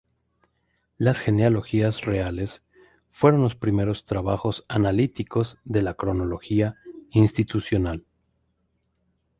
Las genealogías reales fueron los primeros trabajos analíticos de la cronología institucional.